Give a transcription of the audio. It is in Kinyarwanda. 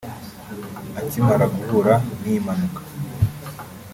Akimara guhura n’iyi mpanuka